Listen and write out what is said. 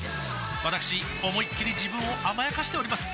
わたくし思いっきり自分を甘やかしております